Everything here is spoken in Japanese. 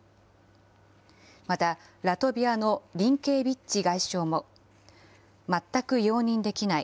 またラトビアのリンケービッチ外相も、全く容認できない。